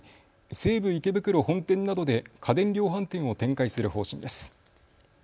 西武池袋本店などで家電量販店を展開する方針です。